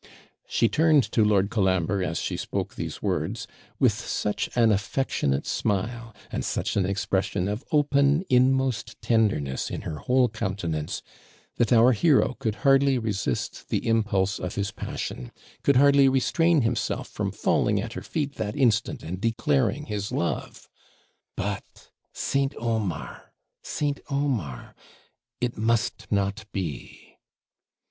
She turned to Lord Colambre as she spoke these words, with such an affectionate smile, and such an expression of open, inmost tenderness in her whole countenance, that our hero could hardly resist the impulse of his passion could hardly restrain himself from falling at her feet that instant, and declaring his love. 'But St. Omar! St. Omar! It must not be!'